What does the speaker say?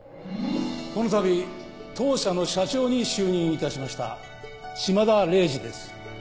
このたび当社の社長に就任いたしました島田礼治です。